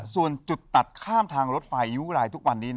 ส่วนจุดตัดข้ามทางรถไฟยุงรายทุกวันนี้